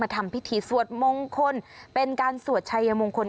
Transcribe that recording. ทำพิธีสวดมงคลเป็นการสวดชัยมงคล